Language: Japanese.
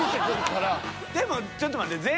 でもちょっと待って。